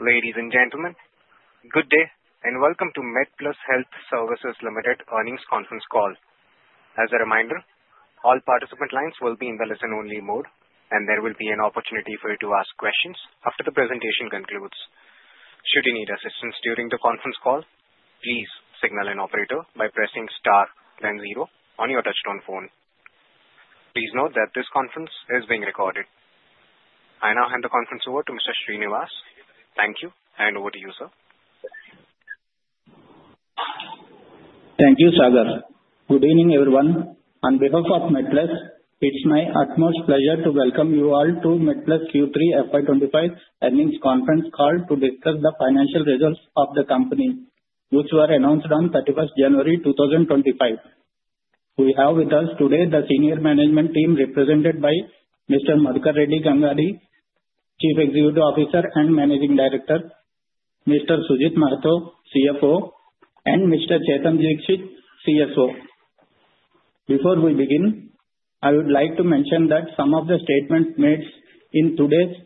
Ladies and gentlemen, good day and welcome to MedPlus Health Services Limited Earnings Conference Call. As a reminder, all participant lines will be in the listen-only mode, and there will be an opportunity for you to ask questions after the presentation concludes. Should you need assistance during the conference call, please signal an operator by pressing star then zero on your touch-tone phone. Please note that this conference is being recorded. I now hand the conference over to Mr. Srinivas. Thank you, and over to you, sir. Thank you, Sagar. Good evening, everyone. On behalf of MedPlus, it's my utmost pleasure to welcome you all to MedPlus Q3 FY25 earnings conference call to discuss the financial results of the company, which were announced on 31st January 2025. We have with us today the senior management team represented by Mr. Madhukar Reddy Gangadi, Chief Executive Officer and Managing Director, Mr. Sujit Mahato, CFO, and Mr. Chetan Dikshit, CSO. Before we begin, I would like to mention that some of the statements made in today's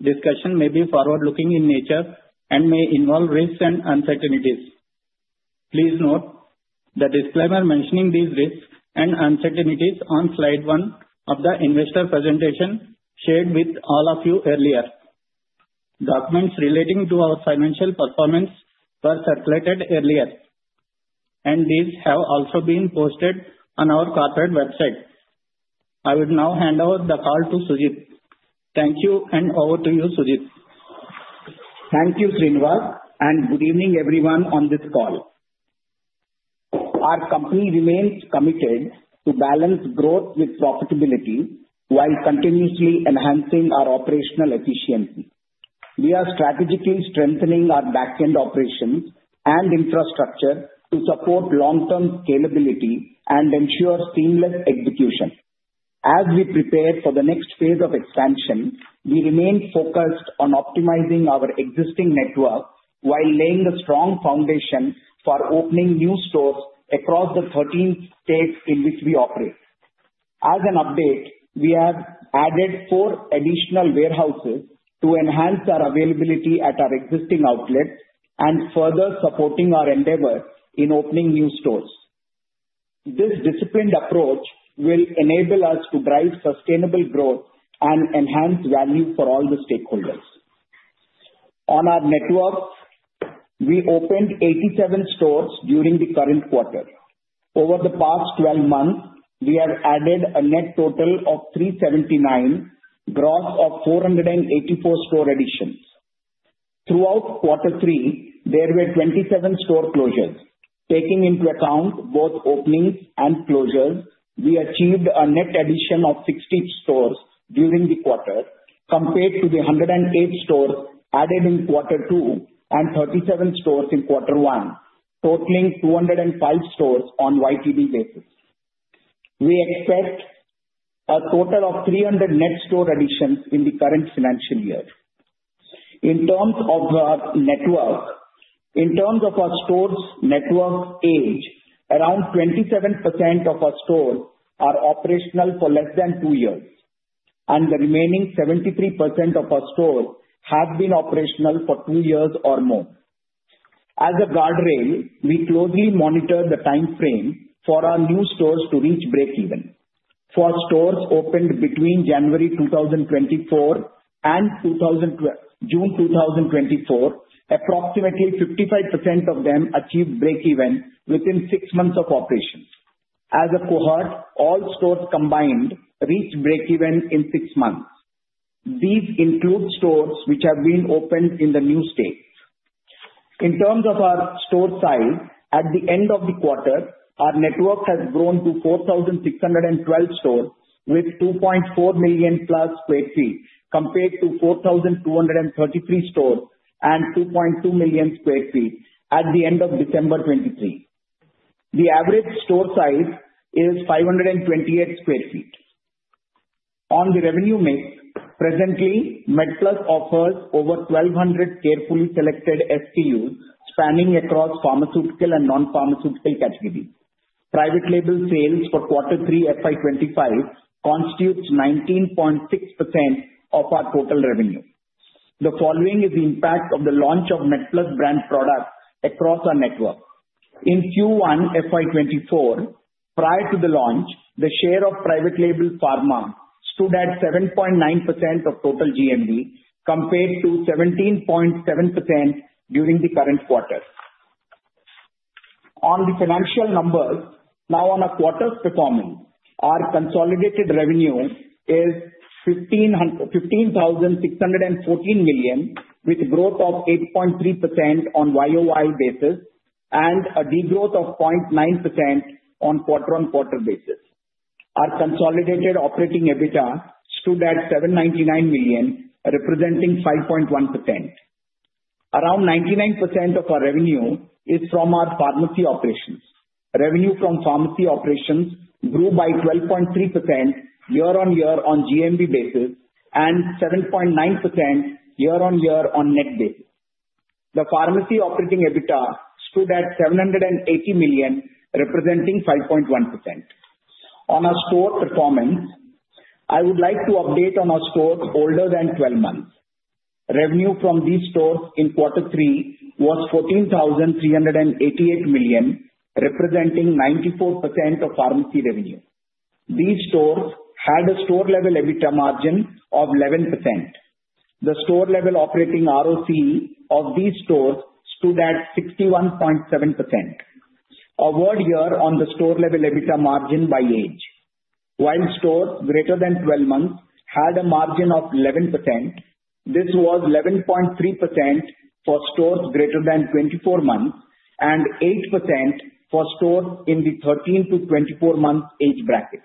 discussion may be forward-looking in nature and may involve risks and uncertainties. Please note the disclaimer mentioning these risks and uncertainties on slide one of the investor presentation shared with all of you earlier. Documents relating to our financial performance were circulated earlier, and these have also been posted on our corporate website. I would now hand over the call to Sujit. Thank you, and over to you, Sujit. Thank you, Srinivas, and good evening, everyone, on this call. Our company remains committed to balance growth with profitability while continuously enhancing our operational efficiency. We are strategically strengthening our back-end operations and infrastructure to support long-term scalability and ensure seamless execution. As we prepare for the next phase of expansion, we remain focused on optimizing our existing network while laying a strong foundation for opening new stores across the 13 states in which we operate. As an update, we have added four additional warehouses to enhance our availability at our existing outlets and further supporting our endeavor in opening new stores. This disciplined approach will enable us to drive sustainable growth and enhance value for all the stakeholders. On our network, we opened 87 stores during the current quarter. Over the past 12 months, we have added a net total of 379, gross of 484 store additions. Throughout quarter three, there were 27 store closures. Taking into account both openings and closures, we achieved a net addition of 60 stores during the quarter compared to the 108 stores added in quarter two and 37 stores in quarter one, totaling 205 stores on a YTD basis. We expect a total of 300 net store additions in the current financial year. In terms of our network, in terms of our stores' network age, around 27% of our stores are operational for less than two years, and the remaining 73% of our stores have been operational for two years or more. As a guardrail, we closely monitor the time frame for our new stores to reach break-even. For stores opened between January 2024 and June 2024, approximately 55% of them achieved break-even within six months of operation. As a cohort, all stores combined reached break-even in six months. These include stores which have been opened in the new state. In terms of our store size, at the end of the quarter, our network has grown to 4,612 stores with 2.4 million plus sq ft compared to 4,233 stores and 2.2 million sq ft at the end of December 2023. The average store size is 528 sq ft. On the revenue mix, presently, MedPlus offers over 1,200 carefully selected SKUs spanning across pharmaceutical and non-pharmaceutical categories. Private label sales for quarter three FY25 constitutes 19.6% of our total revenue. The following is the impact of the launch of MedPlus brand products across our network. In Q1 FY24, prior to the launch, the share of private label pharma stood at 7.9% of total GMV compared to 17.7% during the current quarter. On the financial numbers, now on a quarter's performance, our consolidated revenue is 15,614 million with a growth of 8.3% on YOY basis and a degrowth of 0.9% on quarter-on-quarter basis. Our consolidated operating EBITDA stood at 799 million, representing 5.1%. Around 99% of our revenue is from our pharmacy operations. Revenue from pharmacy operations grew by 12.3% year-on-year on GMV basis and 7.9% year-on-year on net basis. The pharmacy operating EBITDA stood at 780 million, representing 5.1%. On our store performance, I would like to update on our stores older than 12 months. Revenue from these stores in quarter three was 14,388 million, representing 94% of pharmacy revenue. These stores had a store-level EBITDA margin of 11%. The store-level operating ROCE of these stores stood at 61.7%. A word here on the store-level EBITDA margin by age. While stores greater than 12 months had a margin of 11%, this was 11.3% for stores greater than 24 months and 8% for stores in the 13 to 24-month age bracket.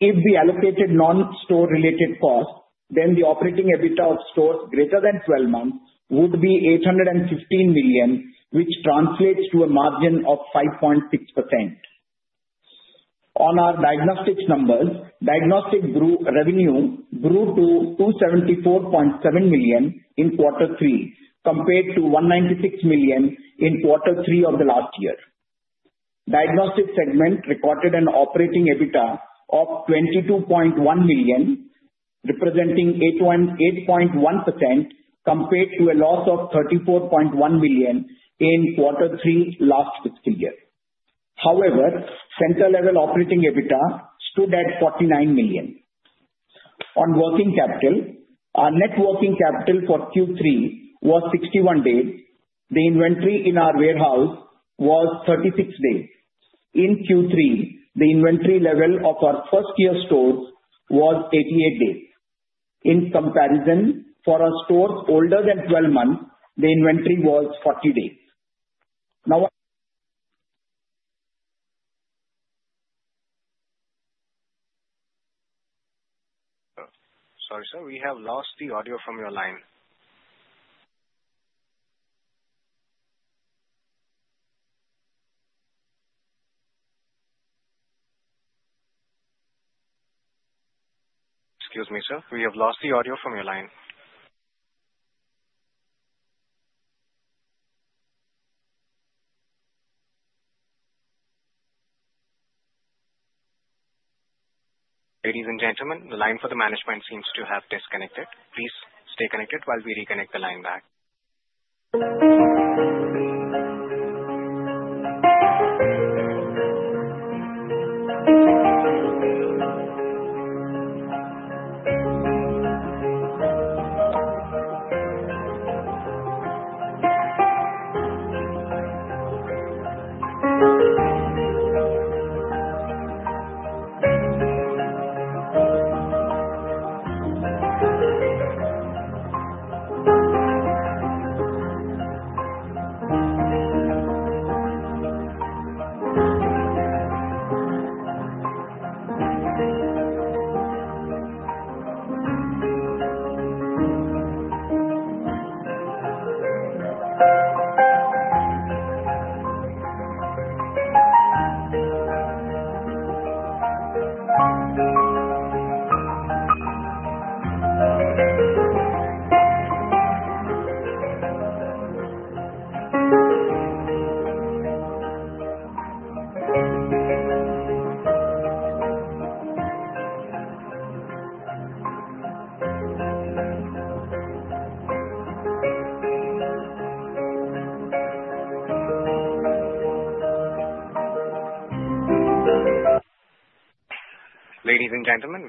If we allocated non-store-related costs, then the operating EBITDA of stores greater than 12 months would be 815 million, which translates to a margin of 5.6%. On our diagnostics numbers, diagnostic revenue grew to 274.7 million in quarter three compared to 196 million in quarter three of the last year. Diagnostic segment recorded an operating EBITDA of 22.1 million, representing 8.1% compared to a loss of 34.1 million in quarter three last fiscal year. However, center-level operating EBITDA stood at 49 million. On working capital, our net working capital for Q3 was 61 days. The inventory in our warehouse was 36 days. In Q3, the inventory level of our first-year stores was 88 days. In comparison, for our stores older than 12 months, the inventory was 40 days. Now. Sorry, sir. We have lost the audio from your line. Excuse me, sir. We have lost the audio from your line. Ladies and gentlemen, the line for the management seems to have disconnected. Please stay connected while we reconnect the line back.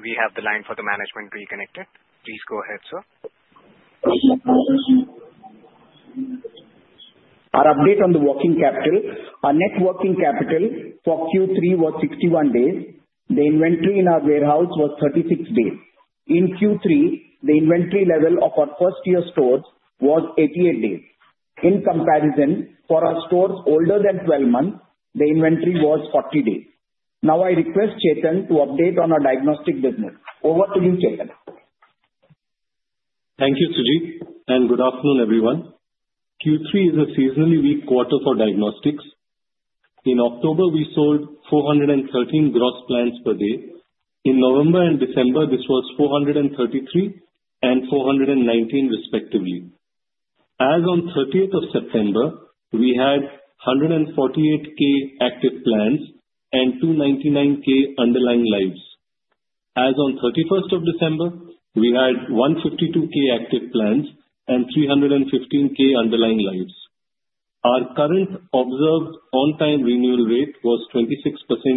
Ladies and gentlemen, we have the line for the management reconnected. Please go ahead, sir. Our update on the working capital. Our net working capital for Q3 was 61 days. The inventory in our warehouse was 36 days. In Q3, the inventory level of our first-year stores was 88 days. In comparison, for our stores older than 12 months, the inventory was 40 days. Now, I request Chetan to update on our diagnostic business. Over to you, Chetan. Thank you, Sujit, and good afternoon, everyone. Q3 is a seasonally weak quarter for diagnostics. In October, we sold 413 gross plans per day. In November and December, this was 433 and 419, respectively. As on 30th of September, we had 148K active plans and 299K underlying lives. As on 31st of December, we had 152K active plans and 315K underlying lives. Our current observed on-time renewal rate was 26%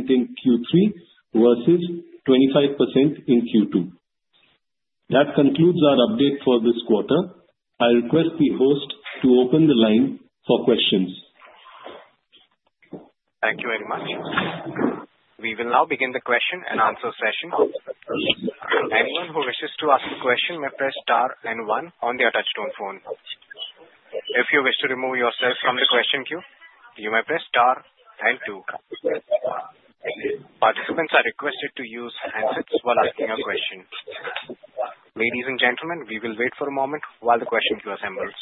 in Q3 versus 25% in Q2. That concludes our update for this quarter. I request the host to open the line for questions. Thank you very much. We will now begin the question and answer session. Anyone who wishes to ask a question may press star and one on their touch-tone phone. If you wish to remove yourself from the question queue, you may press star and two. Participants are requested to use handsets while asking a question. Ladies and gentlemen, we will wait for a moment while the question queue assembles.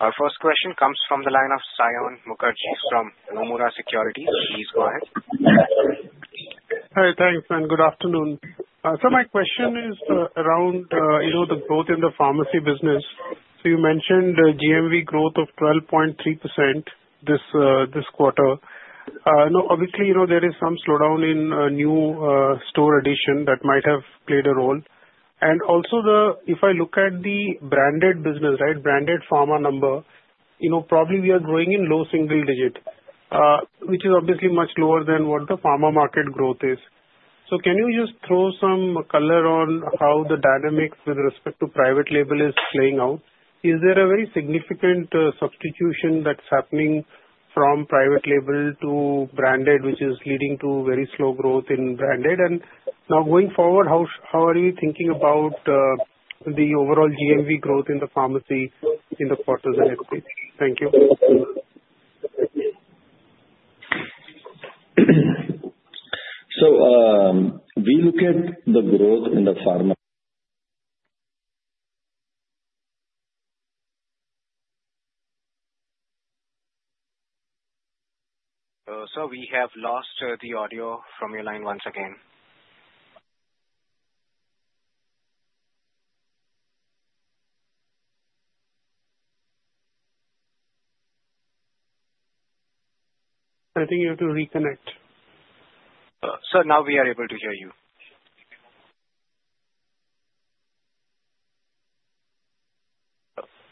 Our first question comes from the line of Saion Mukherjee from Nomura. Please go ahead. Hi, thanks, and good afternoon. So my question is around the growth in the pharmacy business. So you mentioned GMV growth of 12.3% this quarter. Obviously, there is some slowdown in new store addition that might have played a role. And also, if I look at the branded business, right, branded pharma number, probably we are growing in low single digit, which is obviously much lower than what the pharma market growth is. So can you just throw some color on how the dynamic with respect to private label is playing out? Is there a very significant substitution that's happening from private label to branded, which is leading to very slow growth in branded? And now, going forward, how are you thinking about the overall GMV growth in the pharmacy in the quarter the next week? Thank you. So we look at the growth in the pharma. Sir, we have lost the audio from your line once again. I think you have to reconnect. Sir, now we are able to hear you.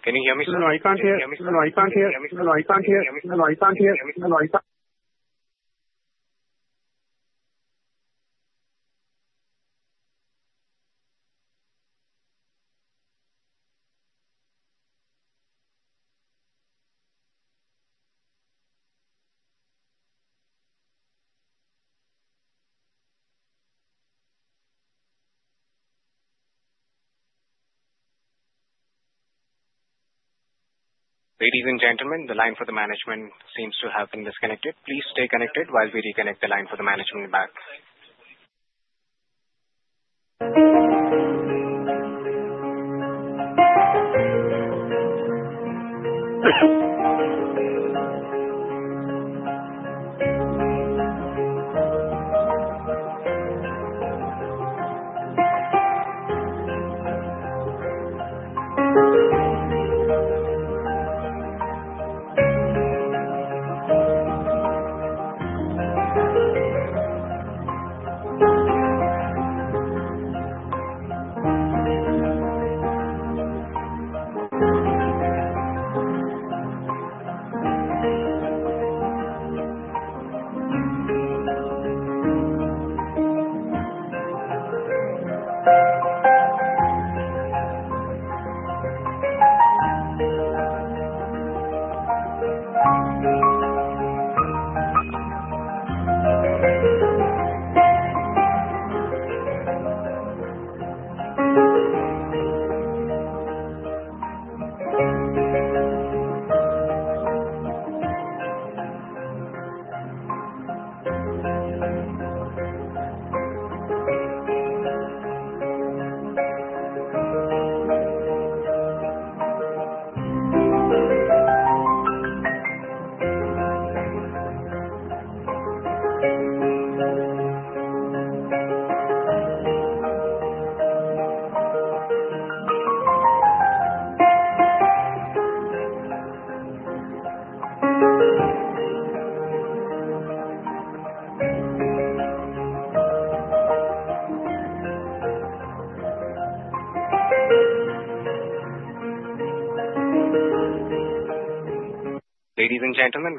Can you hear me, sir? Ladies and gentlemen, the line for the management seems to have been disconnected. Please stay connected while we reconnect the line for the management back.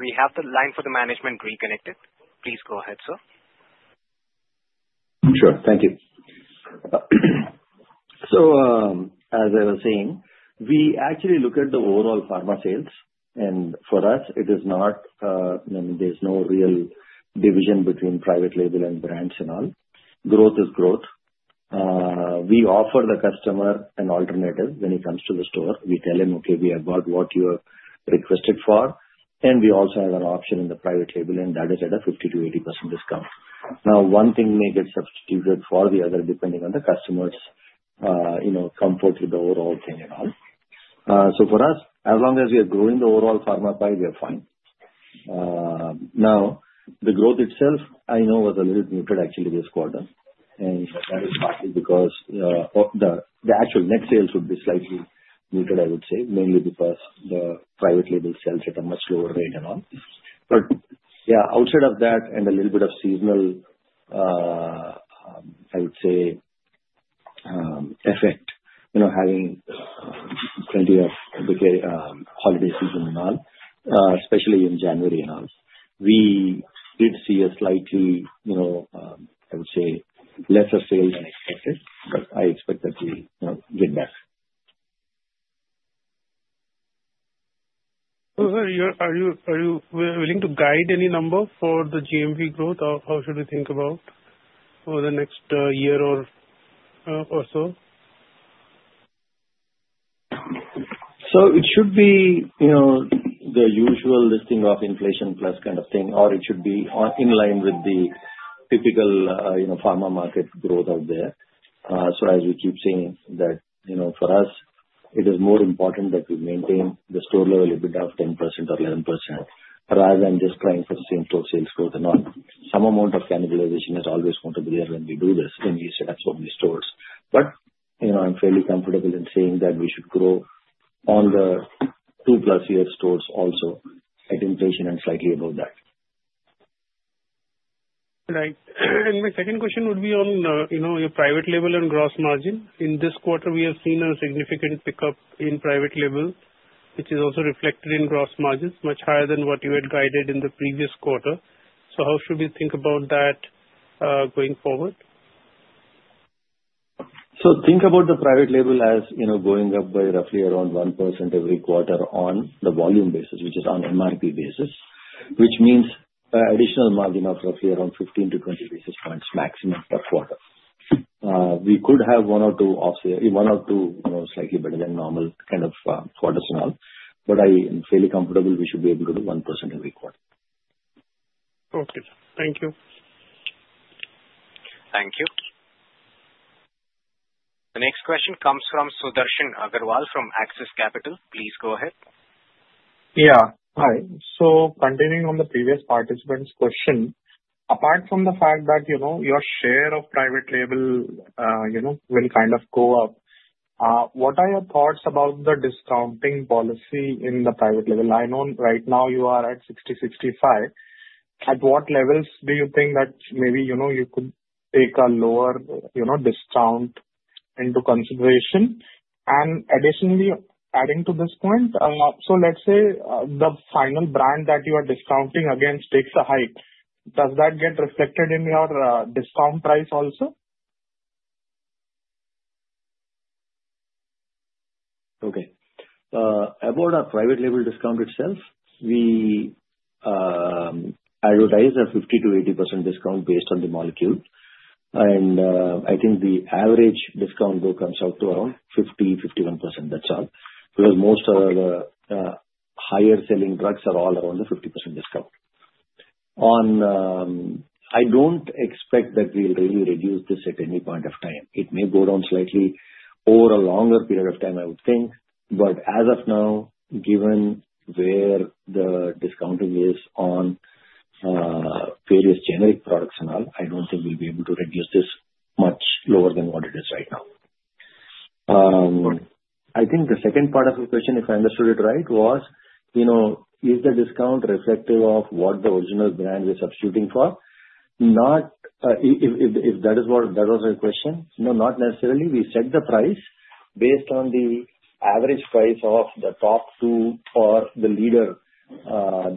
Ladies and gentlemen, we have the line for the management reconnected. Please go ahead, sir. Sure. Thank you. So, as I was saying, we actually look at the overall pharma sales, and for us, it is not. There's no real division between private label and brands and all. Growth is growth. We offer the customer an alternative when he comes to the store. We tell him, "Okay, we have got what you have requested for," and we also have an option in the private label, and that is at a 50%-80% discount. Now, one thing may get substituted for the other depending on the customer's comfort with the overall thing and all. So, for us, as long as we are growing the overall pharma pie, we are fine. Now, the growth itself, I know, was a little muted, actually, this quarter, and that is partly because the actual net sales would be slightly muted, I would say, mainly because the private label sells at a much lower rate and all. But, yeah, outside of that and a little bit of seasonal, I would say, effect, having plenty of holiday season and all, especially in January and all, we did see a slightly, I would say, lesser sales than expected, but I expect that we get back. So, sir, are you willing to guide any number for the GMV growth, or how should we think about for the next year or so? So, it should be the usual listing of inflation plus kind of thing, or it should be in line with the typical pharma market growth out there. So, as we keep seeing that, for us, it is more important that we maintain the store level a bit of 10% or 11% rather than just trying for the same store sales growth and all. Some amount of cannibalization is always going to be there when we do this when we set up so many stores. But I'm fairly comfortable in saying that we should grow on the two-plus-year stores also at inflation and slightly above that. Nice. And my second question would be on your private label and gross margin. In this quarter, we have seen a significant pickup in private label, which is also reflected in gross margins, much higher than what you had guided in the previous quarter. So, how should we think about that going forward? So, think about the private label as going up by roughly around 1% every quarter on the volume basis, which is on MRP basis, which means additional margin of roughly around 15-20 basis points maximum per quarter. We could have one or two slightly better than normal kind of quarters and all, but I am fairly comfortable we should be able to do 1% every quarter. Okay. Thank you. Thank you. The next question comes from Sudarshan Agarwal from Axis Capital. Please go ahead. Yeah. Hi. So, continuing on the previous participant's question, apart from the fact that your share of private label will kind of go up, what are your thoughts about the discounting policy in the private label? I know right now you are at 60-65. At what levels do you think that maybe you could take a lower discount into consideration? And additionally, adding to this point, so let's say the branded that you are discounting against takes a hike, does that get reflected in your discount price also? Okay. About our private label discount itself, we advertise a 50%-80% discount based on the molecule. And I think the average discount though comes out to around 50%-51%, that's all, because most of the higher-selling drugs are all around the 50% discount. I don't expect that we'll really reduce this at any point of time. It may go down slightly over a longer period of time, I would think, but as of now, given where the discounting is on various generic products and all, I don't think we'll be able to reduce this much lower than what it is right now. I think the second part of your question, if I understood it right, was, is the discount reflective of what the original brand we're substituting for? If that was your question, no, not necessarily. We set the price based on the average price of the top two or the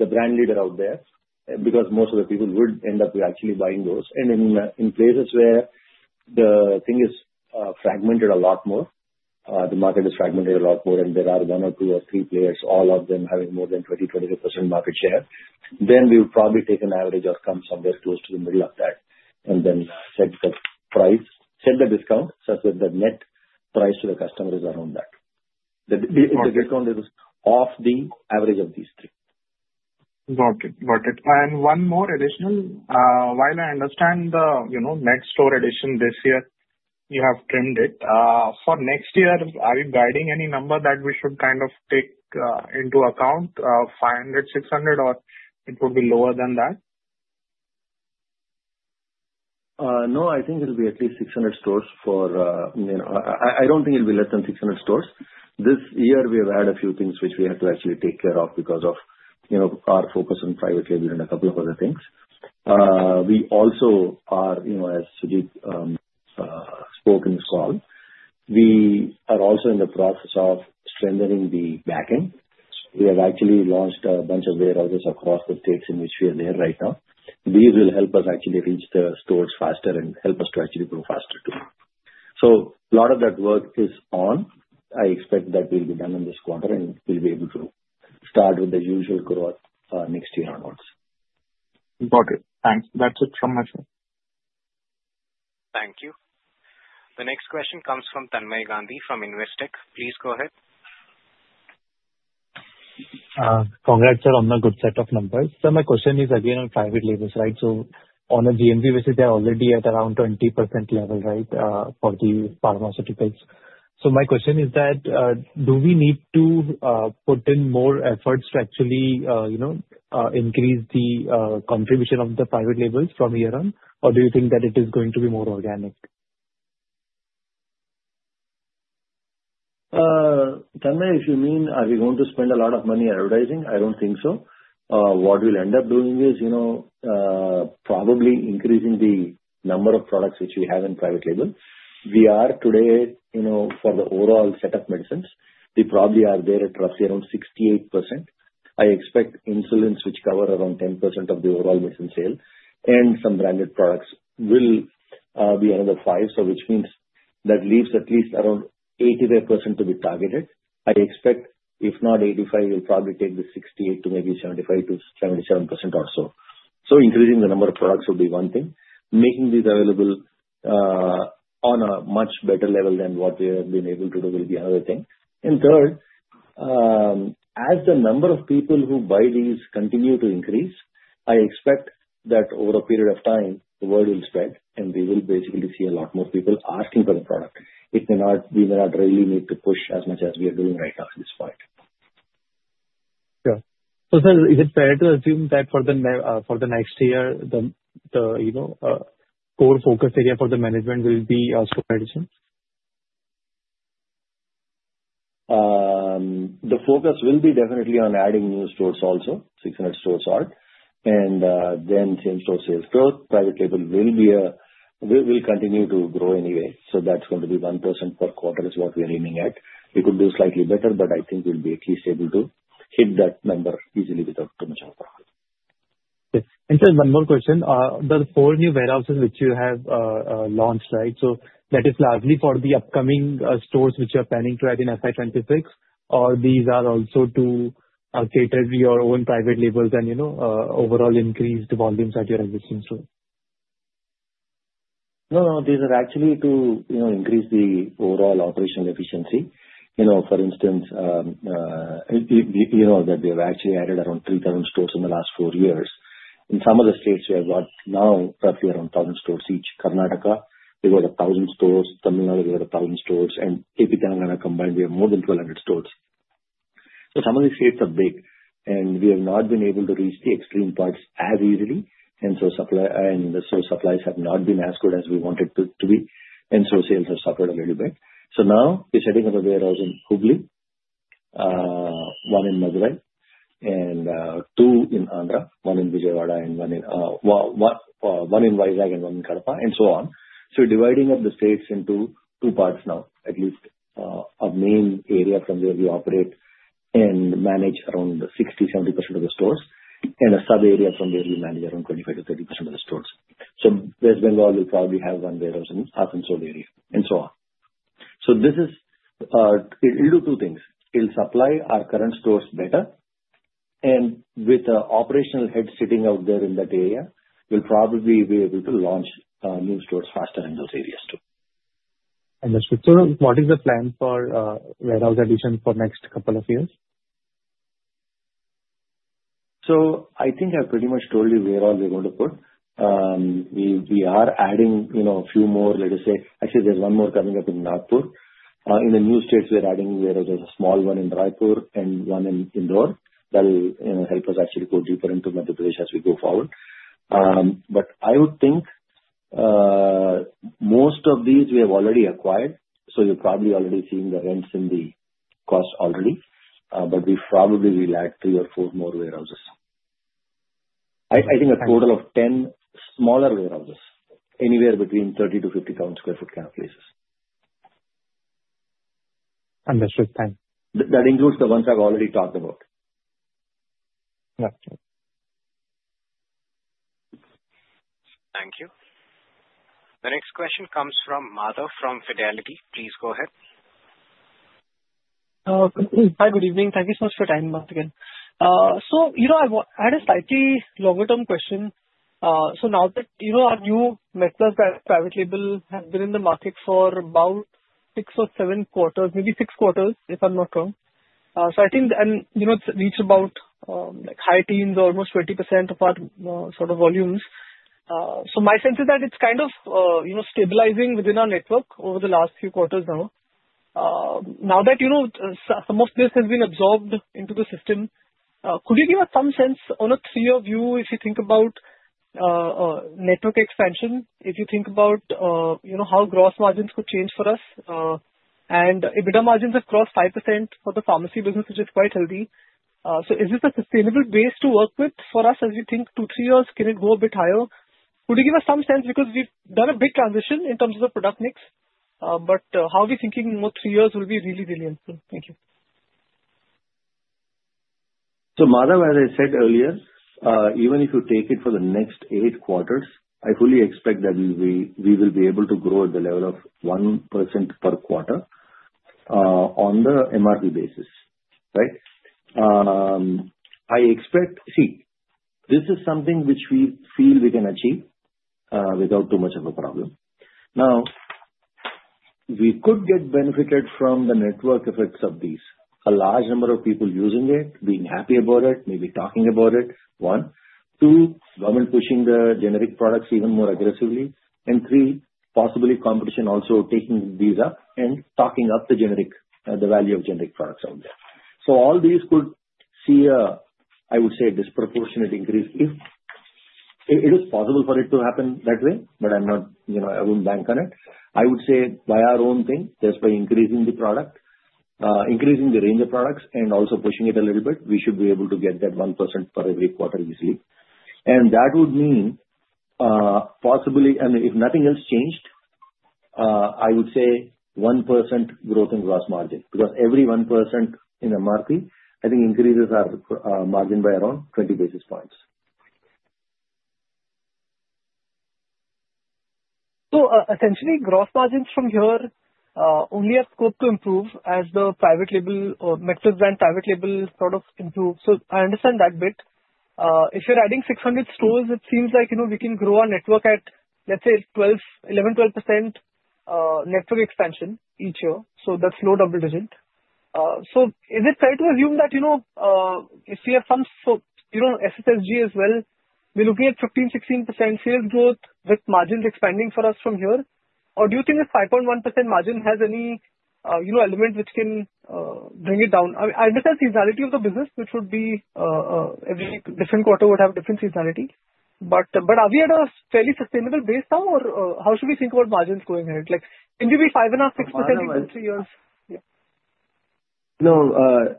brand leader out there, because most of the people would end up actually buying those, and in places where the thing is fragmented a lot more, the market is fragmented a lot more, and there are one or two or three players, all of them having more than 20%-25% market share, then we would probably take an average or come somewhere close to the middle of that and then set the price, set the discount such that the net price to the customer is around that. The discount is off the average of these three. Got it. Got it. And one more additional, while I understand the next store addition this year, you have trimmed it. For next year, are you guiding any number that we should kind of take into account, 500, 600, or it would be lower than that? No, I think it'll be at least 600 stores. I don't think it'll be less than 600 stores. This year, we have had a few things which we had to actually take care of because of our focus on private label and a couple of other things. We also are, as Sujit spoke in this call, we are also in the process of strengthening the backend. We have actually launched a bunch of warehouses across the states in which we are there right now. These will help us actually reach the stores faster and help us to actually grow faster too. So, a lot of that work is on. I expect that we'll be done in this quarter, and we'll be able to start with the usual growth next year onwards. Got it. Thanks. That's it from my side. Thank you. The next question comes from Tanmay Gandhi from Investec. Please go ahead. Congrats, sir, on a good set of numbers. Sir, my question is, again, on private labels, right? So, on a GMV basis, they're already at around 20% level, right, for the pharmaceuticals. So, my question is that, do we need to put in more efforts to actually increase the contribution of the private labels from here on, or do you think that it is going to be more organic? Tanmay, if you mean, are we going to spend a lot of money advertising? I don't think so. What we'll end up doing is probably increasing the number of products which we have in private label. We are today, for the overall set of medicines, we probably are there at roughly around 68%. I expect insulins, which cover around 10% of the overall medicine sale, and some branded products will be another 5%, which means that leaves at least around 85% to be targeted. I expect, if not 85%, we'll probably take the 68% to maybe 75%-77% or so. So, increasing the number of products would be one thing. Making these available on a much better level than what we have been able to do will be another thing. And third, as the number of people who buy these continue to increase, I expect that over a period of time, the word will spread, and we will basically see a lot more people asking for the product. We may not really need to push as much as we are doing right now at this point. Sure. So, sir, is it fair to assume that for the next year, the core focus area for the management will be store additions? The focus will be definitely on adding new stores also, 600 stores or, and then same-store sales growth. Private label will continue to grow anyway, so that's going to be 1% per quarter is what we're aiming at. We could do slightly better, but I think we'll be at least able to hit that number easily without too much of a problem. Okay. And, sir, one more question. The four new warehouses which you have launched, right, so that is largely for the upcoming stores which you are planning to add in FY26, or these are also to cater to your own private labels and overall increase the volumes at your existing stores? No, no. These are actually to increase the overall operational efficiency. For instance, you know that we have actually added around 3,000 stores in the last four years. In some of the states, we have got now roughly around 1,000 stores each. Karnataka, we've got 1,000 stores. Tamil Nadu, we've got 1,000 stores. And AP and Telangana combined, we have more than 1,200 stores. So, some of these states are big, and we have not been able to reach the extreme parts as easily. And so, supplies have not been as good as we wanted to be, and so, sales have suffered a little bit. So, now we're setting up a warehouse in Hubli, one in Madurai, and two in Andhra, one in Vijayawada, and one in Visakhapatnam, and one in Kadapa, and so on. So, we're dividing up the states into two parts now, at least a main area from where we operate and manage around 60%-70% of the stores, and a sub-area from where we manage around 25%-30% of the stores. So, West Bengal will probably have one warehouse in the Asansol area, and so on. So, this will do two things. It'll supply our current stores better, and with the operational head sitting out there in that area, we'll probably be able to launch new stores faster in those areas too. Understood. Sir, what is the plan for warehouse additions for the next couple of years? So, I think I've pretty much told you where all we're going to put. We are adding a few more, let us say actually, there's one more coming up in Nagpur. In the new states, we're adding warehouses, a small one in Raipur and one in Indore. That'll help us actually go deeper into Madhya Pradesh as we go forward. But I would think most of these we have already acquired, so you're probably already seeing the rents in the cost already, but we probably will add three or four more warehouses. I think a total of 10 smaller warehouses, anywhere between 30 to 50,000 sq ft kind of places. Understood. Thanks. That includes the ones I've already talked about. Got it. Thank you. The next question comes from Madhav from Fidelity. Please go ahead. Hi, good evening. Thank you so much for your time, Madhav. So, I had a slightly longer-term question. So, now that our new MedPlus Private Label has been in the market for about six or seven quarters, maybe six quarters, if I'm not wrong. So, I think it's reached about high teens, almost 20% of our sort of volumes. So, my sense is that it's kind of stabilizing within our network over the last few quarters now. Now that some of this has been absorbed into the system, could you give us some sense on a three-year view, if you think about network expansion, if you think about how gross margins could change for us? And EBITDA margins have crossed 5% for the pharmacy business, which is quite healthy. So, is this a sustainable base to work with for us as we think two, three years? Can it go a bit higher? Could you give us some sense? Because we've done a big transition in terms of the product mix, but how are we thinking in three years will be really, really helpful. Thank you. Madhav, as I said earlier, even if you take it for the next eight quarters, I fully expect that we will be able to grow at the level of 1% per quarter on the MRP basis, right? See, this is something which we feel we can achieve without too much of a problem. Now, we could get benefited from the network effects of these, a large number of people using it, being happy about it, maybe talking about it, one. Two, government pushing the generic products even more aggressively. And three, possibly competition also taking these up and talking up the value of generic products out there. So, all these could see a, I would say, disproportionate increase if it is possible for it to happen that way, but I won't bank on it. I would say by our own thing, just by increasing the product, increasing the range of products, and also pushing it a little bit, we should be able to get that 1% for every quarter easily. And that would mean possibly, and if nothing else changed, I would say 1% growth in gross margin, because every 1% in MRP, I think increases our margin by around 20 basis points. Essentially, gross margins from here only have scope to improve as the private label or MedPlus brand private label sort of improves. I understand that bit. If you're adding 600 stores, it seems like we can grow our network at, let's say, 11-12% network expansion each year. That's low double-digit. Is it fair to assume that if we have some SSSG as well, we're looking at 15-16% sales growth with margins expanding for us from here? Or do you think this 5.1% margin has any element which can bring it down? I understand seasonality of the business, which would be every different quarter would have different seasonality. But are we at a fairly sustainable base now, or how should we think about margins going ahead? Can we be 5.5-6% in three years? No,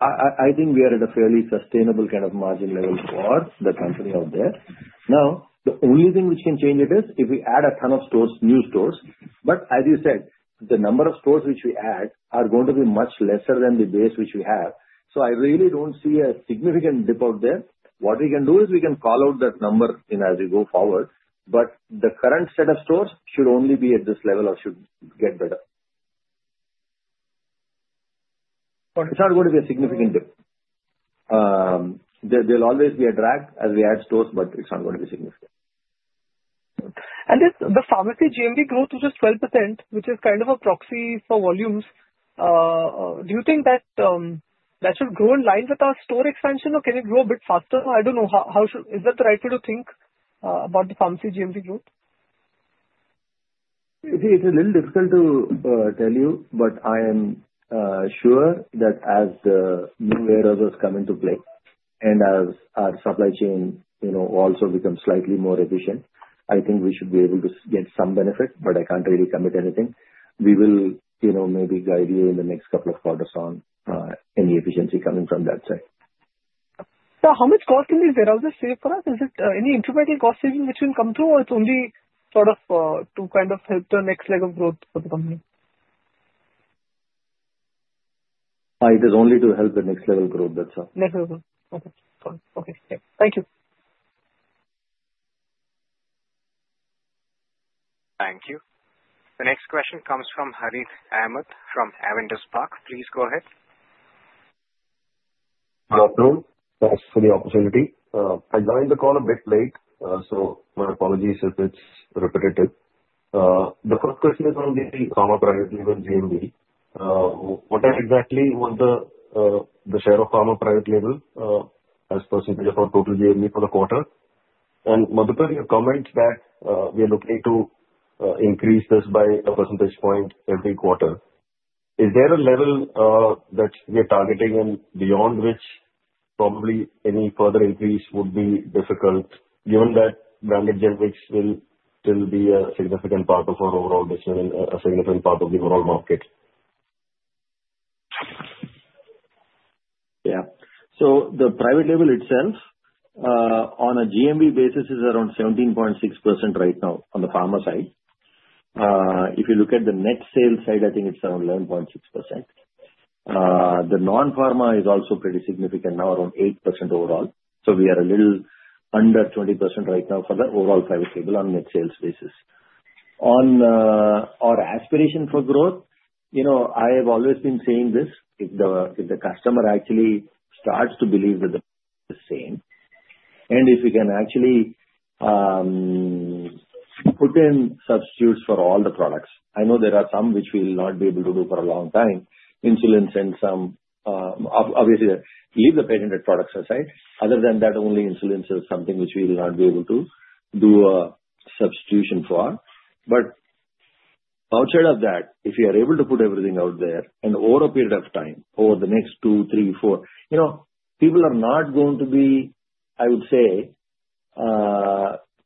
I think we are at a fairly sustainable kind of margin level for the company out there. Now, the only thing which can change it is if we add a ton of new stores. But as you said, the number of stores which we add are going to be much lesser than the base which we have. So, I really don't see a significant dip out there. What we can do is we can call out that number as we go forward, but the current set of stores should only be at this level or should get better. It's not going to be a significant dip. There'll always be a drag as we add stores, but it's not going to be significant. If the pharmacy GMV growth, which is 12%, which is kind of a proxy for volumes, do you think that should grow in line with our store expansion, or can it grow a bit faster? I don't know. Is that the right way to think about the pharmacy GMV growth? See, it's a little difficult to tell you, but I am sure that as new warehouses come into play and as our supply chain also becomes slightly more efficient, I think we should be able to get some benefit, but I can't really commit anything. We will maybe guide you in the next couple of quarters on any efficiency coming from that side. Sir, how much cost can these warehouses save for us? Is it any substantial cost saving which can come through, or it's only sort of to kind of help the next leg of growth for the company? It is only to help the next level growth, that's all. Next level. Okay. Got it. Okay. Thank you. Thank you. The next question comes from Harith Ahamed from Avendus Spark. Please go ahead. Good afternoon. Thanks for the opportunity. I joined the call a bit late, so my apologies if it's repetitive. The first question is on the pharma private label GMV. What exactly was the share of pharma private label as percentage of our total GMV for the quarter? And Madhukar, you comment that we are looking to increase this by a percentage point every quarter. Is there a level that we are targeting and beyond which probably any further increase would be difficult, given that branded generics will still be a significant part of our overall business and a significant part of the overall market? Yeah. So, the private label itself, on a GMV basis, is around 17.6% right now on the pharma side. If you look at the net sales side, I think it's around 11.6%. The non-pharma is also pretty significant now, around 8% overall. So, we are a little under 20% right now for the overall private label on net sales basis. On our aspiration for growth, I have always been saying this. If the customer actually starts to believe that the same. And if we can actually put in substitutes for all the products, I know there are some which we will not be able to do for a long time, insulins and some obviously, leave the patented products aside. Other than that, only insulins is something which we will not be able to do a substitution for. But outside of that, if we are able to put everything out there and over a period of time, over the next two, three, four, people are not going to be, I would say,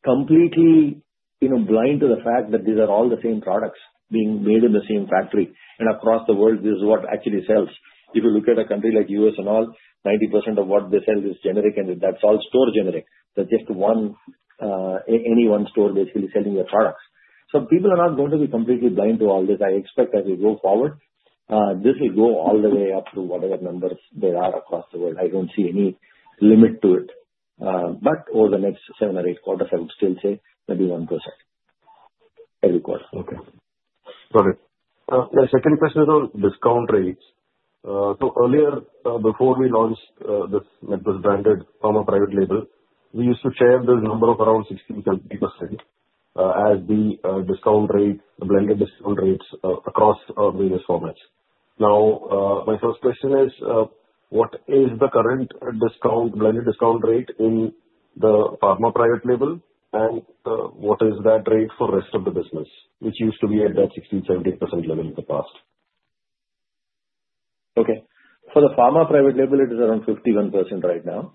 completely blind to the fact that these are all the same products being made in the same factory. And across the world, this is what actually sells. If you look at a country like the U.S. and all, 90% of what they sell is generic, and that's all store generic. There's just any one store basically selling their products. So, people are not going to be completely blind to all this. I expect as we go forward, this will go all the way up to whatever numbers there are across the world. I don't see any limit to it. But over the next seven or eight quarters, I would still say maybe 1% every quarter. Okay. Got it. The second question is on discount rates. So, earlier, before we launched this MedPlus branded pharma private label, we used to share the number of around 16%-20% as the blended discount rates across various formats. Now, my first question is, what is the current blended discount rate in the pharma private label, and what is that rate for the rest of the business, which used to be at that 16%-17% level in the past? Okay. For the pharma private label, it is around 51% right now.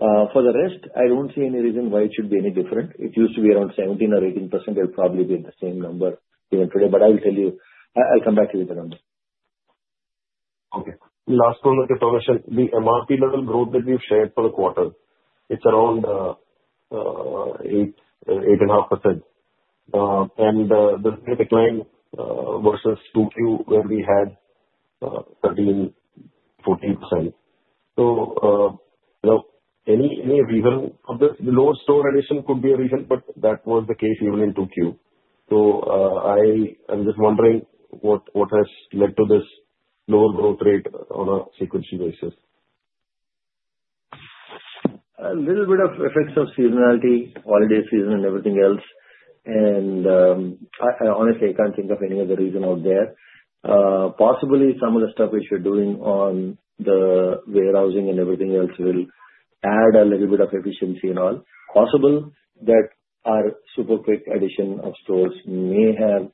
For the rest, I don't see any reason why it should be any different. It used to be around 17 or 18%. It'll probably be the same number even today, but I will tell you. I'll come back to you with the number. Okay. Last one, To Madhukar, the MRP level growth that we've shared for the quarter, it's around 8-8.5%. And the decline versus 2Q, where we had 13-14%. So, any reason for this? The lower store addition could be a reason, but that was the case even in 2Q. So, I'm just wondering what has led to this lower growth rate on a sequence basis? A little bit of effects of seasonality, holiday season and everything else. And honestly, I can't think of any other reason out there. Possibly, some of the stuff which we're doing on the warehousing and everything else will add a little bit of efficiency and all. Possible that our super quick addition of stores may have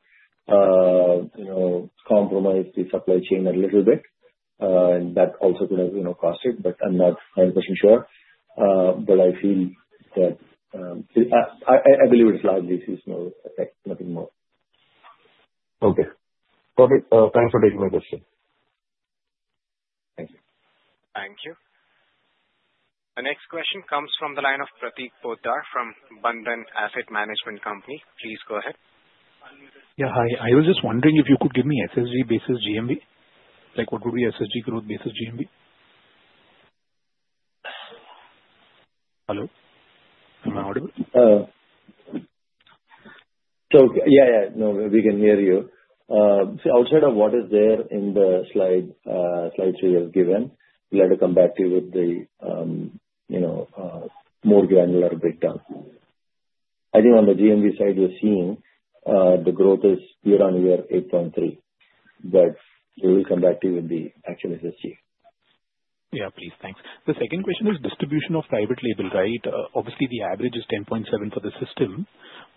compromised the supply chain a little bit. That also could have cost it, but I'm not 100% sure. But I feel that I believe it's largely seasonal effect, nothing more. Okay. Got it. Thanks for taking my question. Thank you. Thank you. The next question comes from the line of Prateek Poddar from Bandhan Asset Management Company. Please go ahead. Yeah. Hi. I was just wondering if you could give me SSG basis GMV? What would be SSG growth basis GMV? Hello? Am I audible? No, we can hear you. Outside of what is there in the slide three I've given, I'd like to come back to you with the more granular breakdown. I think on the GMV side, we're seeing the growth is year on year 8.3%. But we will come back to you with the actual SSG. Yeah, please. Thanks. The second question is distribution of private label, right? Obviously, the average is 10.7 for the system,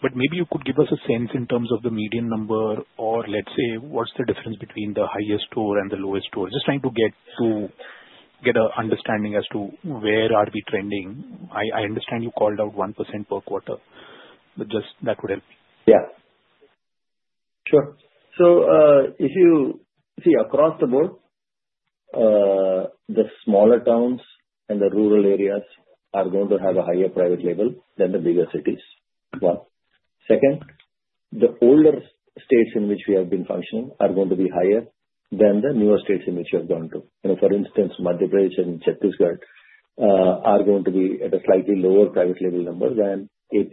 but maybe you could give us a sense in terms of the median number, or let's say, what's the difference between the highest store and the lowest store? Just trying to get an understanding as to where are we trending. I understand you called out 1% per quarter, but just that would help me. Yeah. Sure. So, if you see across the board, the smaller towns and the rural areas are going to have a higher private label than the bigger cities. One. Second, the older states in which we have been functioning are going to be higher than the newer states in which we have gone to. For instance, Madhya Pradesh and Chhattisgarh are going to be at a slightly lower private label number than AP,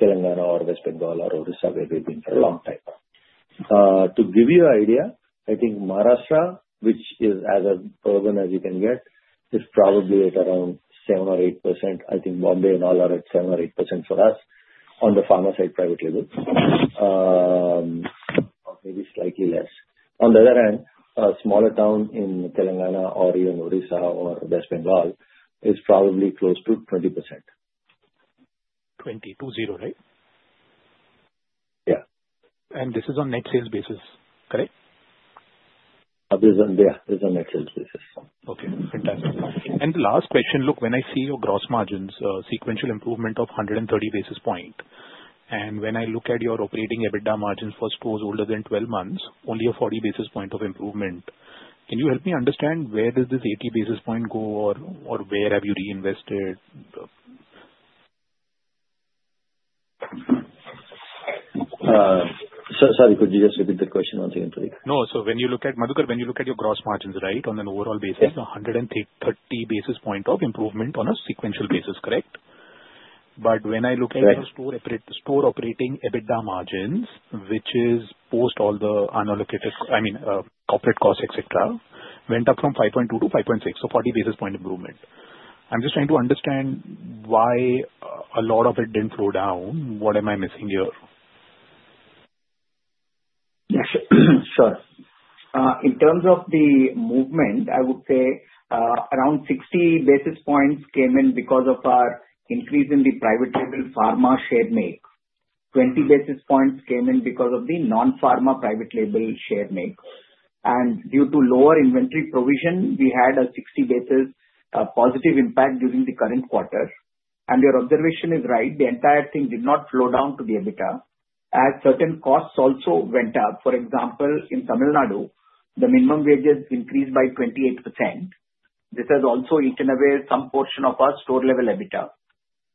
Telangana, or West Bengal, or Odisha, where we've been for a long time. To give you an idea, I think Maharashtra, which is as urban as you can get, is probably at around 7% or 8%. I think Bombay and all are at 7% or 8% for us on the pharma side private label, or maybe slightly less. On the other hand, a smaller town in Telangana or even Odisha or West Bengal is probably close to 20%. 20, 2-0, right? Yeah. And this is on net sales basis, correct? Yeah. It's on net sales basis. Okay. Fantastic. And the last question. Look, when I see your gross margins, sequential improvement of 130 basis points, and when I look at your operating EBITDA margins for stores older than 12 months, only a 40 basis points of improvement, can you help me understand where does this 80 basis points go or where have you reinvested? Sorry, could you just repeat the question once again, Prateek? No. So, Madhukar, when you look at your gross margins, right, on an overall basis, 130 basis points of improvement on a sequential basis, correct? But when I look at your store operating EBITDA margins, which is post all the unallocated, I mean, corporate costs, etc., went up from 5.2 to 5.6, so 40 basis points improvement. I'm just trying to understand why a lot of it didn't slow down. What am I missing here? Yes. Sure. In terms of the movement, I would say around 60 basis points came in because of our increase in the private label pharma share mix. 20 basis points came in because of the non-pharma private label share mix. And due to lower inventory provision, we had a 60 basis points positive impact during the current quarter. And your observation is right. The entire thing did not flow down to the EBITDA as certain costs also went up. For example, in Tamil Nadu, the minimum wages increased by 28%. This has also eaten away some portion of our store level EBITDA.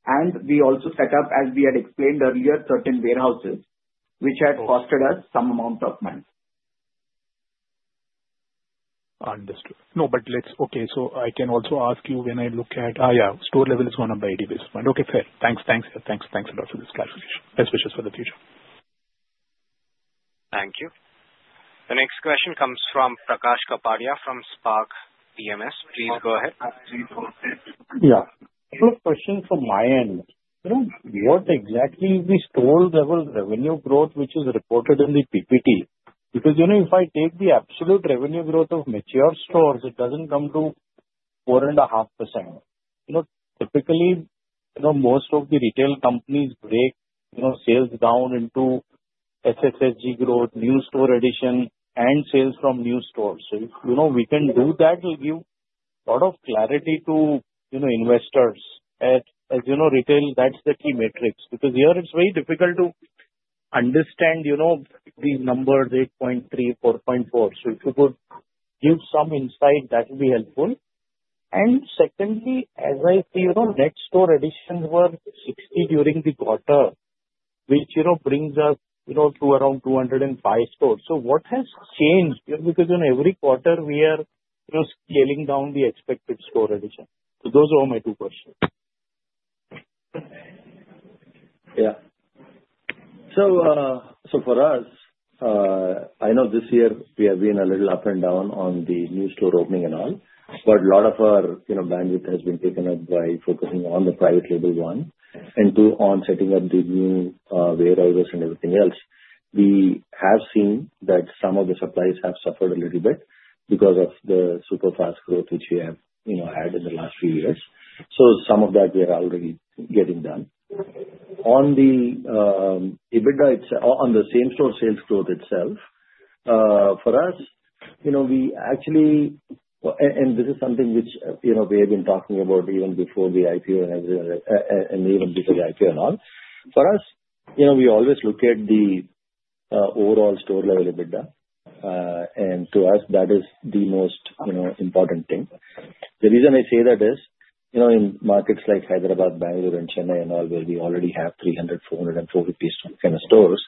And we also set up, as we had explained earlier, certain warehouses which had cost us some amount of money. Understood. No, but let's okay. So, I can also ask you when I look at, yeah, store level is going up by 80 basis points. Okay. Fair. Thanks. Thanks. Thanks. Thanks a lot for this clarification. Best wishes for the future. Thank you. The next question comes from Prakash Kapadia from Spark Capital. Please go ahead. Yeah. I have a question from my end. What exactly is the store level revenue growth which is reported in the PPT? Because if I take the absolute revenue growth of mature stores, it doesn't come to 4.5%. Typically, most of the retail companies break sales down into SSG growth, new store addition, and sales from new stores. So, we can do that. It'll give a lot of clarity to investors. As you know, retail, that's the key metrics. Because here, it's very difficult to understand these numbers, 8.3, 4.4. So, if you could give some insight, that would be helpful. And secondly, as I see, net store additions were 60 during the quarter, which brings us to around 205 stores. So, what has changed? Because every quarter, we are scaling down the expected store addition. So, those are my two questions. Yeah. So, for us, I know this year we have been a little up and down on the new store opening and all, but a lot of our bandwidth has been taken up by focusing on the private label, one, and two, on setting up the new warehouses and everything else. We have seen that some of the supplies have suffered a little bit because of the super fast growth which we have had in the last few years. So, some of that we are already getting done. On the same store sales growth itself, for us, we actually, and this is something which we have been talking about even before the IPO and everything, and even before the IPO and all. For us, we always look at the overall store level EBITDA, and to us, that is the most important thing. The reason I say that is, in markets like Hyderabad, Bengaluru, and Chennai and all, where we already have 300, 400, and 450 store kind of stores,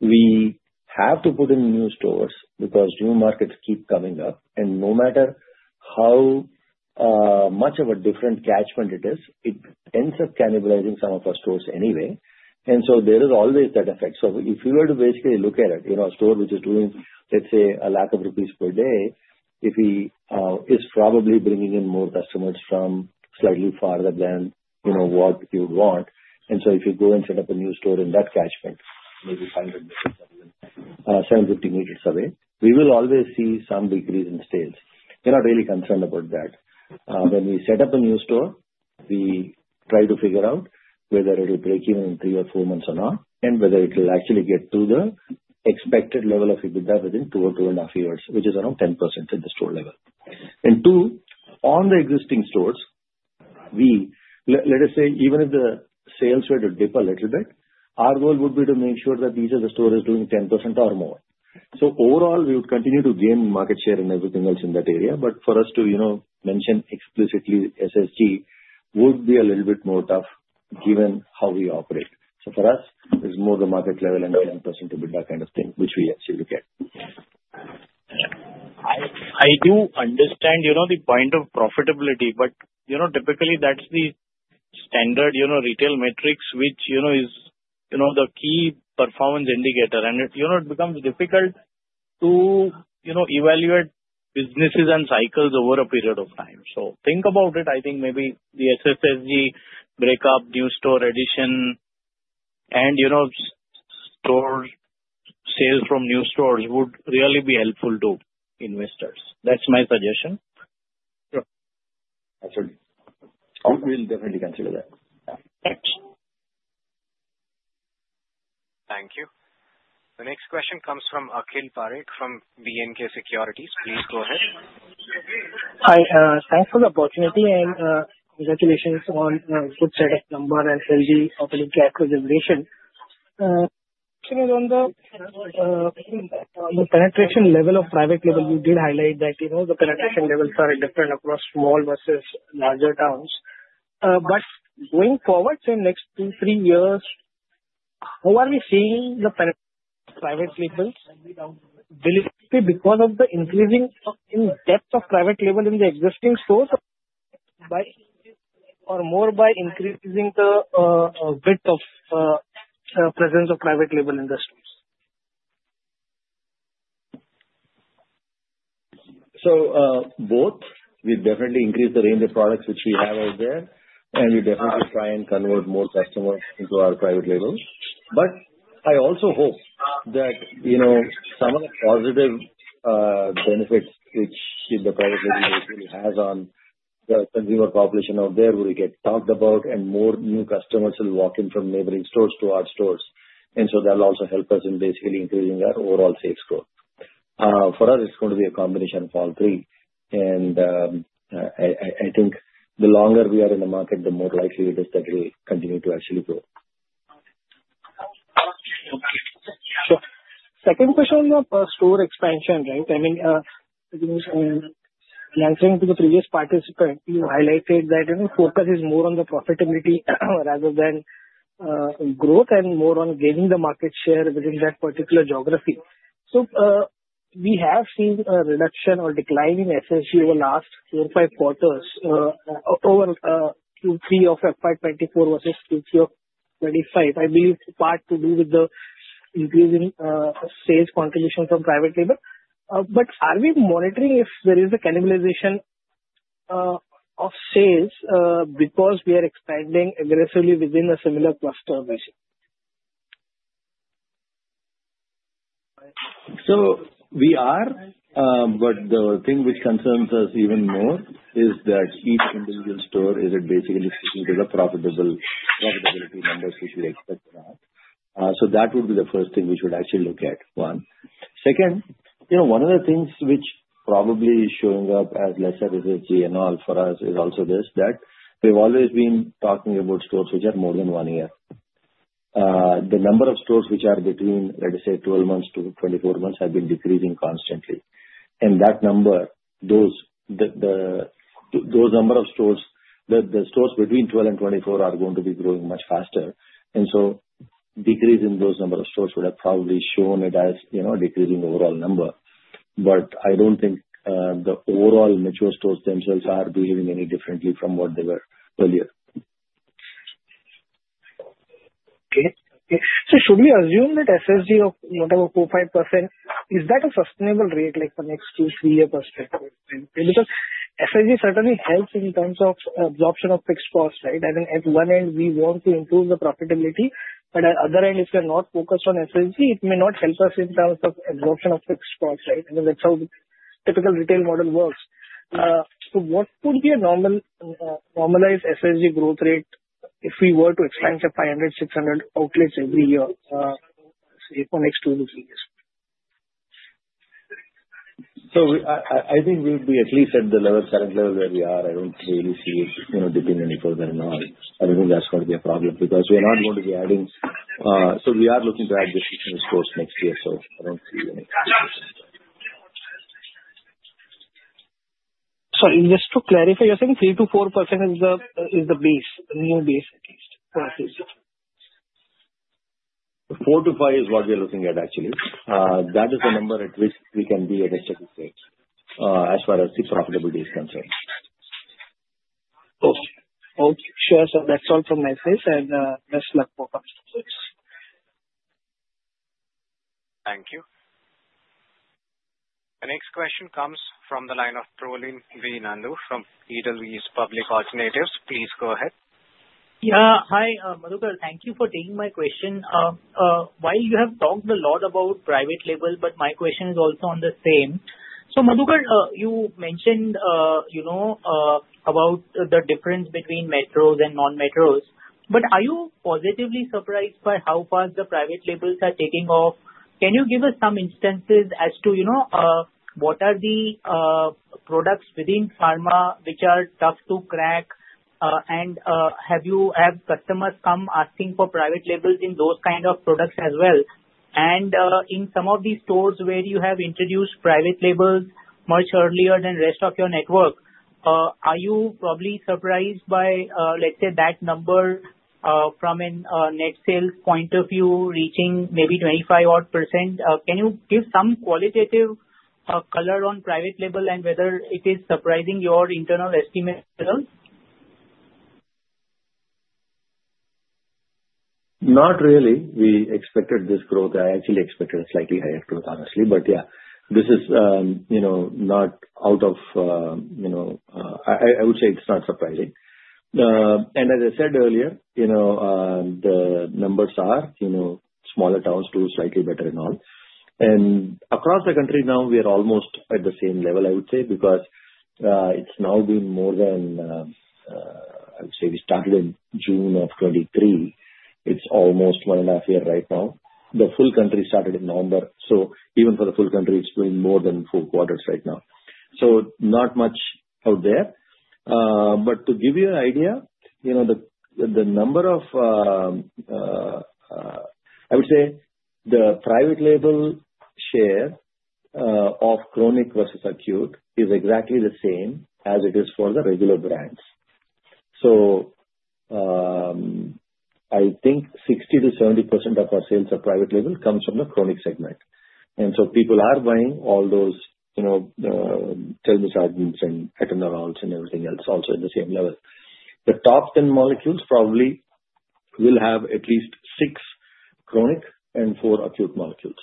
we have to put in new stores because new markets keep coming up. No matter how much of a different catchment it is, it ends up cannibalizing some of our stores anyway. There is always that effect. If you were to basically look at it, a store which is doing, let's say, a lakh of rupees per day, it's probably bringing in more customers from slightly farther than what you would want. If you go and set up a new store in that catchment, maybe 500 meters or even 750 meters away, we will always see some decrease in sales. We're not really concerned about that. When we set up a new store, we try to figure out whether it'll break even in three or four months or not, and whether it'll actually get to the expected level of EBITDA within two or two and a half years, which is around 10% at the store level, and two, on the existing stores, let us say, even if the sales were to dip a little bit, our goal would be to make sure that these are the stores doing 10% or more, so overall, we would continue to gain market share and everything else in that area, but for us to mention explicitly SSG would be a little bit more tough given how we operate, so for us, it's more the market level and 10% EBITDA kind of thing, which we actually look at. I do understand the point of profitability, but typically, that's the standard retail metrics which is the key performance indicator, and it becomes difficult to evaluate businesses and cycles over a period of time, so think about it. I think maybe the SSG breakup, new store addition, and store sales from new stores would really be helpful to investors. That's my suggestion. Absolutely. We'll definitely consider that. Thanks. Thank you. The next question comes from Akhil Parekh from B&K Securities. Please go ahead. Hi. Thanks for the opportunity. And congratulations on a good set of numbers and healthy opening cash reserves. On the penetration level of private label, you did highlight that the penetration levels are different across small versus larger towns. But going forward, say, next two, three years, how are we seeing the private labels? Will it be because of the increase in depth of private label in the existing stores or more by increasing the width of presence of private label in the stores? So, both. We definitely increase the range of products which we have out there, and we definitely try and convert more customers into our private labels. But I also hope that some of the positive benefits which the private label has on the consumer population out there will get talked about, and more new customers will walk in from neighboring stores to our stores. And so, that'll also help us in basically increasing our overall sales growth. For us, it's going to be a combination of all three. And I think the longer we are in the market, the more likely it is that it'll continue to actually grow. Sure. Second question on store expansion, right? I mean, answering to the previous participant, you highlighted that focus is more on the profitability rather than growth and more on gaining the market share within that particular geography. So, we have seen a reduction or decline in SSG over the last four, five quarters, over Q3 of FY24 versus Q3 of 2025. I believe part to do with the increasing sales contribution from private label. But are we monitoring if there is a cannibalization of sales because we are expanding aggressively within a similar cluster of region? So, we are. But the thing which concerns us even more is that each individual store isn't basically sitting with a profitability number which we expect or not. So, that would be the first thing we should actually look at, one. Second, one of the things which probably is showing up as lesser SSG and all for us is also this, that we've always been talking about stores which are more than one year. The number of stores which are between, let us say, 12 months to 24 months have been decreasing constantly. And that number, those number of stores, the stores between 12 and 24 are going to be growing much faster. And so, decrease in those number of stores would have probably shown it as decreasing overall number. But I don't think the overall mature stores themselves are behaving any differently from what they were earlier. Okay. Okay. So, should we assume that SSG of whatever, 4.5%, is that a sustainable rate for next two, three-year perspective? Because SSG certainly helps in terms of absorption of fixed costs, right? I mean, at one end, we want to improve the profitability. But at other end, if we're not focused on SSG, it may not help us in terms of absorption of fixed costs, right? I mean, that's how the typical retail model works. So, what would be a normalized SSG growth rate if we were to expand to 500, 600 outlets every year, say, for next two to three years? I think we would be at least at the current level where we are. I don't really see it dipping any further and all. I don't think that's going to be a problem because we're not going to be adding. We are looking to add these stores next year. I don't see any. Sorry. Just to clarify, you're saying 3%-4% is the base, new base at least for SSG? Four to five is what we're looking at, actually. That is the number at which we can be at a certain rate as far as profitability is concerned. Okay. Okay. Sure. So, that's all from my side, and best luck for coming to the stores. Thank you. The next question comes from the line of Prolin Nandu from Edelweiss Public Alternatives. Please go ahead. Yeah. Hi, Madhukar. Thank you for taking my question. While you have talked a lot about private label, but my question is also on the same. So, Madhukar, you mentioned about the difference between metros and non-metros. But are you positively surprised by how fast the private labels are taking off? Can you give us some instances as to what are the products within pharma which are tough to crack? And have customers come asking for private labels in those kind of products as well? And in some of these stores where you have introduced private labels much earlier than the rest of your network, are you probably surprised by, let's say, that number from a net sales point of view, reaching maybe 25-odd%? Can you give some qualitative color on private label and whether it is surprising your internal estimate as well? Not really. We expected this growth. I actually expected a slightly higher growth, honestly. But yeah, this is not out of. I would say it's not surprising. And as I said earlier, the numbers are. Smaller towns do slightly better and all. And across the country now, we are almost at the same level, I would say, because it's now been more than. I would say we started in June of 2023. It's almost one and a half years right now. The full country started in November. So, even for the full country, it's been more than four quarters right now. So, not much out there. But to give you an idea, the, I would say, private label share of chronic versus acute is exactly the same as it is for the regular brands. So, I think 60%-70% of our sales of private label comes from the chronic segment. And so, people are buying all those telmisartans and atenolols and everything else also at the same level. The top 10 molecules probably will have at least six chronic and four acute molecules.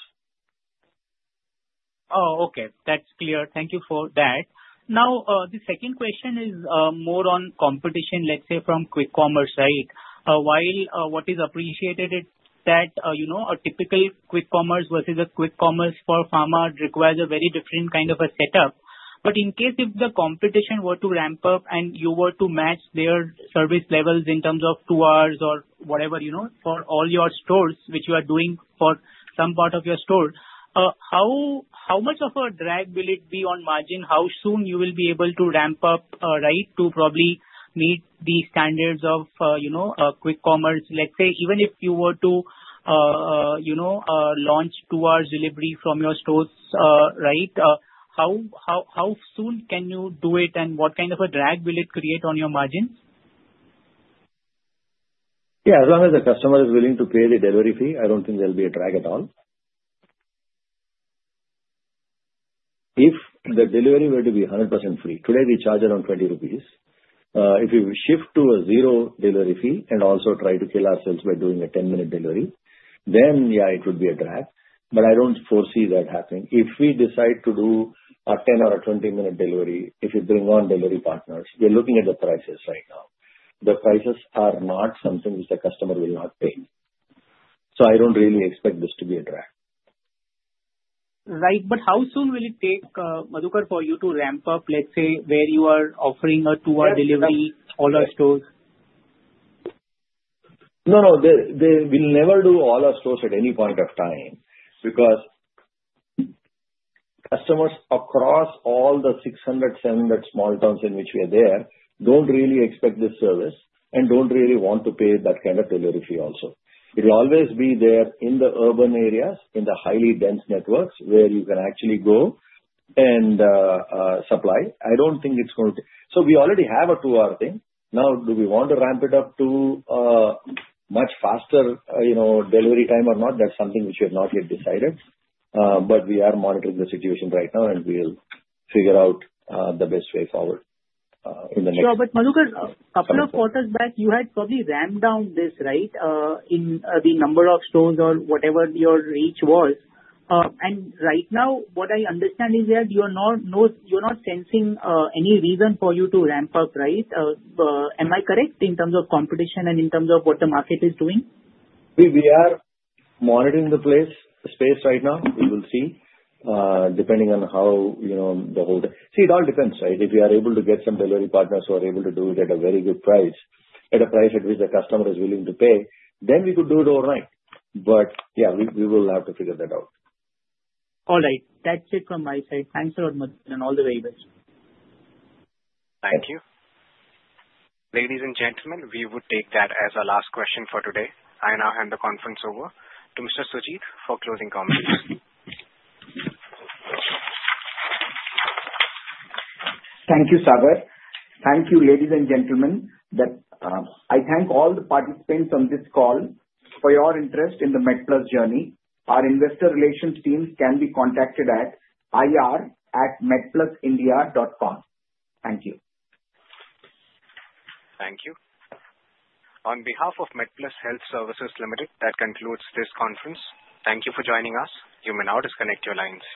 Oh, okay. That's clear. Thank you for that. Now, the second question is more on competition, let's say, from quick commerce, right? While what is appreciated is that a typical quick commerce versus a quick commerce for pharma requires a very different kind of a setup. But in case if the competition were to ramp up and you were to match their service levels in terms of two hours or whatever for all your stores which you are doing for some part of your store, how much of a drag will it be on margin? How soon will you be able to ramp up, right, to probably meet the standards of quick commerce? Let's say, even if you were to launch two hours delivery from your stores, right? How soon can you do it, and what kind of a drag will it create on your margin? Yeah. As long as the customer is willing to pay the delivery fee, I don't think there'll be a drag at all. If the delivery were to be 100% free, today we charge around 20 rupees. If we shift to a zero delivery fee and also try to kill ourselves by doing a 10-minute delivery, then yeah, it would be a drag. But I don't foresee that happening. If we decide to do a 10 or a 20-minute delivery, if we bring on delivery partners, we're looking at the prices right now. The prices are not something which the customer will not pay. So, I don't really expect this to be a drag. Right. But how soon will it take, Madhukar, for you to ramp up, let's say, where you are offering a two-hour delivery all our stores? No, no. We'll never do all our stores at any point of time because customers across all the 600, 700 small towns in which we are there don't really expect this service and don't really want to pay that kind of delivery fee also. It will always be there in the urban areas, in the highly dense networks where you can actually go and supply. I don't think it's going to, so we already have a two-hour thing. Now, do we want to ramp it up to much faster delivery time or not? That's something which we have not yet decided. But we are monitoring the situation right now, and we'll figure out the best way forward in the next. Sure. But Madhukar, a couple of quarters back, you had probably ramped down this, right, in the number of stores or whatever your reach was. And right now, what I understand is that you're not sensing any reason for you to ramp up, right? Am I correct in terms of competition and in terms of what the market is doing? We are monitoring the space right now. We will see depending on how the whole see. It all depends, right? If we are able to get some delivery partners who are able to do it at a very good price, at a price at which the customer is willing to pay, then we could do it overnight. But yeah, we will have to figure that out. All right. That's it from my side. Thanks a lot, Madhukar, and all the very best. Thank you. Ladies and gentlemen, we would take that as our last question for today. I now hand the conference over to Mr. Sujit for closing comments. Thank you, Sagar. Thank you, ladies and gentlemen. I thank all the participants on this call for your interest in the MedPlus journey. Our investor relations teams can be contacted at ir@medplusindia.com. Thank you. Thank you. On behalf of MedPlus Health Services Limited, that concludes this conference. Thank you for joining us. You may now disconnect your lines.